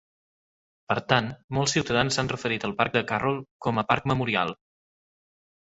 Per tant, molts ciutadans s'han referit al parc de Carroll com a Parc Memorial.